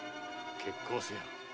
決行せよ」。